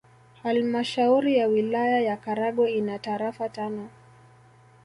Halmashauri ya Wilaya ya Karagwe ina tarafa tano